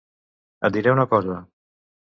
Et diré una cosa.